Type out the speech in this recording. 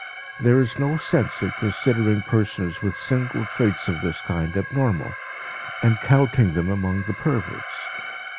There is no sense in considering persons with single traits of this kind abnormal, and counting them among the perverts.